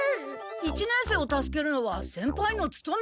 一年生を助けるのは先輩のつとめ。